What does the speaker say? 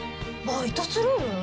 バイトするん？